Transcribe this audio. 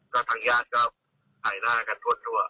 ก็ทางญาติก็ถ่ายหน้ากันทั่ว